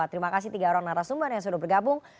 terima kasih tiga orang narasumber yang sudah bergabung